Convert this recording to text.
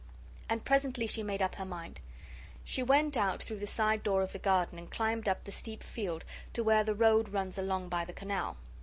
And presently she made up her mind. She went out through the side door of the garden and climbed up the steep field to where the road runs along by the canal.